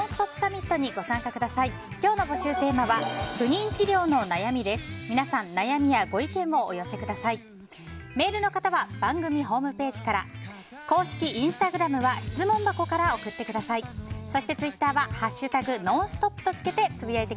メールの方は番組ホームページから公式インスタグラムは質問箱から送ってください。